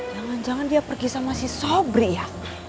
jangan jangan dia pergi sama si sobri ya